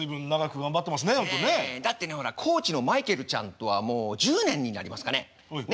だってねほらコーチのマイケルちゃんとはもう１０年になりますかね？